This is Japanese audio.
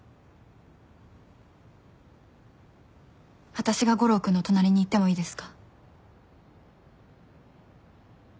私が悟郎君の隣に行ってもいいですか？